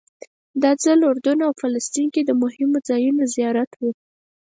دا ځل اردن او فلسطین کې د مهمو ځایونو زیارت و.